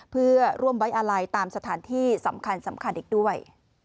เพื่อร่วมไว้อาลัยตามสถานที่สำคัญอีกด้วย